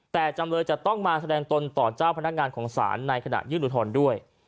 แต่จำเลยจะต้องมาแสดงตนต่อเจ้าพนักงานของศาลในขณะยื่นอุทธรณ์ด้วย